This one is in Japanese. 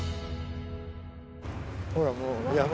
ほらもう山。